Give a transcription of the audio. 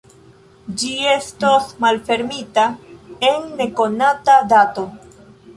Ĝi estos malfermita en nekonata dato.